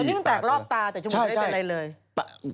อันนี้มันแตกรอบตาแต่ชั่วโมงไม่ได้เป็นอะไรเลย